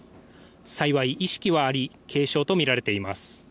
幸い意識はあり軽傷とみられています。